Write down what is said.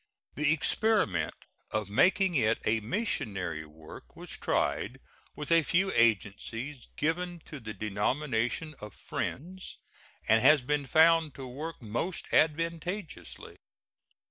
The experiment of making it a missionary work was tried with a few agencies given to the denomination of Friends, and has been found to work most advantageously.